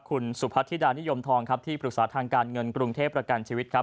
คุณสุพัฒน์ธิดานิยมทองที่ปรึกษาทางการเงินกรุงเทพรการชีวิต